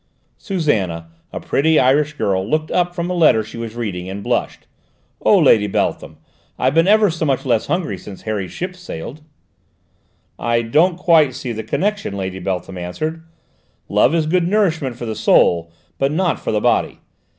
Susannah, a pretty Irish girl, looked up from a letter she was reading, and blushed. "Oh, Lady Beltham, I've been ever so much less hungry since Harry's ship sailed." "I don't quite see the connection," Lady Beltham answered. "Love is good nourishment for the soul, but not for the body.